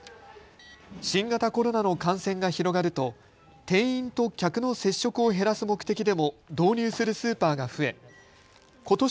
新型コロナの感染が広がると店員と客の接触を減らす目的でも導入するスーパーが増えことし